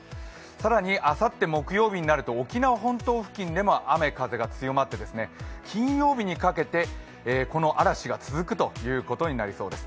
更にあさって木曜日になると沖縄本島付近でも雨風が強まって、金曜日にかけてこの嵐が続くということになりそうです。